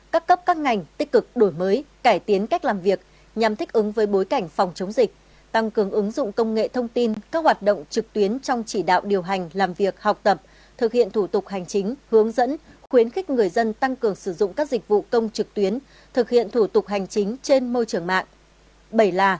các cấp các ngành tích cực đổi mới cải tiến cách làm việc nhằm thích ứng với bối cảnh phòng chống dịch tăng cường ứng dụng công nghệ thông tin các hoạt động trực tuyến trong chỉ đạo điều hành làm việc học tập thực hiện thủ tục hành chính hướng dẫn khuyến khích người dân tăng cường sử dụng các dịch vụ công trực tuyến thực hiện thủ tục hành chính trên môi trường mạng